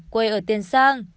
quê ở tiền sang